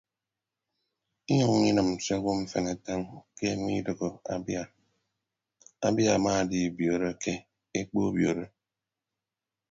Inyʌññọ inịm se owo mfen atañ ke mmiidoho abia abia amaadibiọọrọke ekpo obioro.